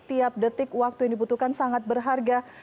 tiap detik waktu yang dibutuhkan sangat berharga